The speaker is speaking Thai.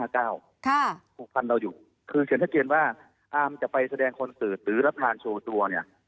คุกพันธ์เราอยู่คือเฉียนทักเกียรติว่าอาร์มจะไปแสดงคอนสติร์สหรือรับทางโชว์ตัวเนี่ย